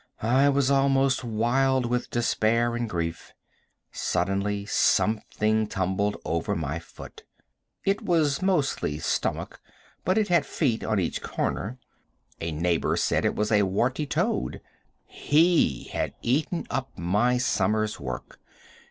I was almost wild with despair and grief. Suddenly something tumbled over my foot. It was mostly stomach, but it had feet on each corner. A neighbor said it was a warty toad. He had eaten up my summer's work!